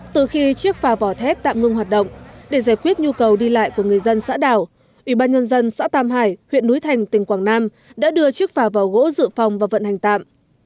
từ khi chiếc phà vỏ thép tạm ngưng hoạt động để giải quyết nhu cầu đi lại của người dân xã đảo ủy ban nhân dân xã tam hải huyện núi thành tỉnh quảng nam đã đưa chiếc phà vỏ gỗ dự phòng vào vận hành tạm